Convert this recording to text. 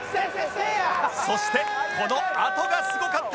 そしてこのあとがすごかった